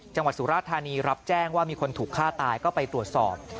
สุราธานีรับแจ้งว่ามีคนถูกฆ่าตายก็ไปตรวจสอบ